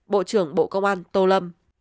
bộ trưởng bộ công an tô lâm